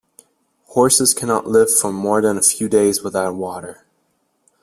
Horses cannot live for more than a few days without water.